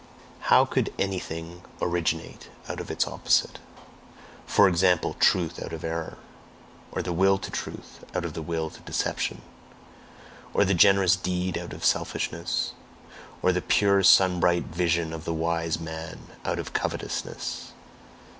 "HOW COULD anything originate out of its opposite? For example, truth out of error? or the Will to Truth out of the will to deception? or the generous deed out of selfishness? or the pure sun bright vision of the wise man out of covetousness?